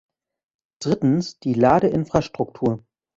Drittens, die Ladeinfrastruktur.